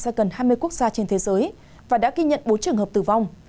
ra gần hai mươi quốc gia trên thế giới và đã ghi nhận bốn trường hợp tử vong